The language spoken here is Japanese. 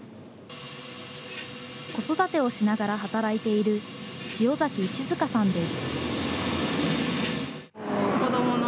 子育てをしながら働いている塩崎静香さんです。